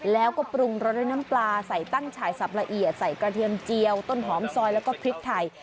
แล้วก็ปรุงรสด้วยน้ำปลาใส่ตั้งฉายสับละเอียดใส่กระเทียมเจียวต้นหอมซอยแล้วก็พริกไทย